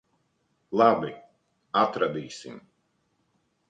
Labi. Atradīsim.